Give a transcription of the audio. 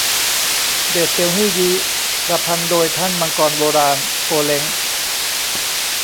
เดชเซียวฮื่อยี้ ประพันธ์โดยท่านมังกรโบราณ โกวเล้ง